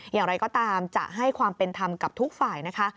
อย่างไรก็ตามจะให้ความเป็นธรรมกับทุกฝ่ายนะคะ